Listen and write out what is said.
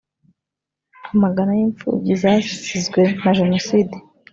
Amagana y’imfubyi zasizwe na Jenoside